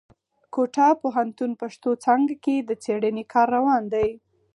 کوټه پوهنتون پښتو څانګه کښي د څېړني کار روان دی.